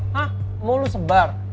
hah mau lo sebar